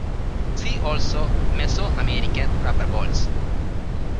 "See also Mesoamerican rubber balls"